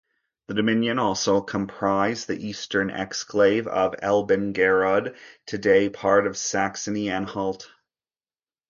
The dominion also comprised the eastern exclave of Elbingerode, today part of Saxony-Anhalt.